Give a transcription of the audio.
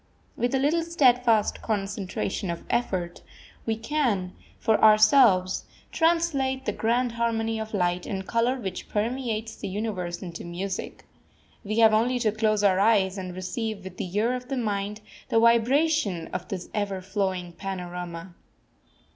With a little steadfast concentration of effort we can, for ourselves, translate the grand harmony of light and colour which permeates the universe into music. We have only to close our eyes and receive with the ear of the mind the vibration of this ever flowing panorama.